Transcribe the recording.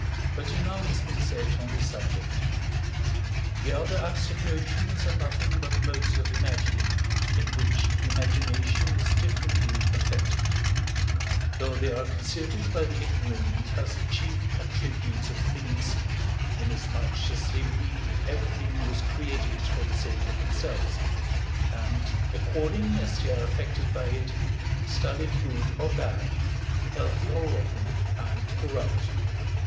But enough has been said on this subject. The other abstract notions are nothing but modes of imagining, in which the imagination is differently affected: though they are considered by the ignorant as the chief attributes of things, inasmuch as they believe that everything was created for the sake of themselves; and, according as they are affected by it, style it good or bad, healthy or rotten and corrupt.